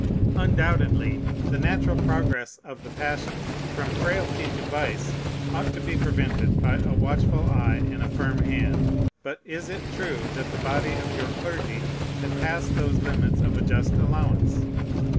Undoubtedly, the natural progress of the passions, from frailty to vice, ought to be prevented by a watchful eye and a firm hand. But is it true that the body of your clergy had passed those limits of a just allowance?